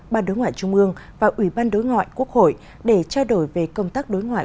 ban đối ngoại trung ương và ủy ban đối ngoại quốc hội để trao đổi về công tác đối ngoại